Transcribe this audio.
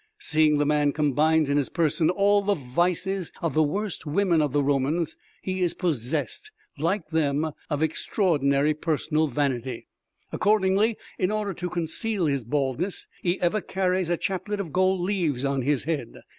Seeing the man combines in his person all the vices of the worst women of the Romans, he is possessed, like them, of extraordinary personal vanity. Accordingly, in order to conceal his baldness, he ever carries a chaplet of gold leaves on his head.